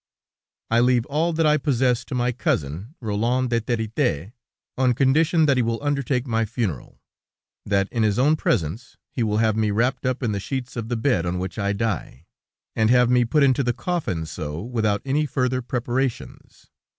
I leave all that I possess to my cousin, Roland de Territet, on condition that he will undertake my funeral; that in his own presence, he will have me wrapped up in the sheets of the bed on which I die, and have me put into the coffin so, without any further preparations.